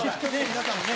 皆さんもね。